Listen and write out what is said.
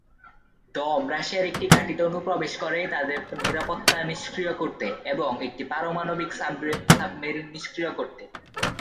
ডম রাশিয়ার একটি ঘাঁটিতে অনুপ্রবেশ করে তাদের নিরাপত্তা নিষ্ক্রিয় করতে এবং একটি পারমাণবিক সাবমেরিন নিষ্ক্রিয় করতে।